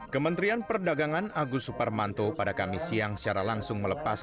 kementerian perdagangan agus suparmanto pada kami siang secara langsung melepas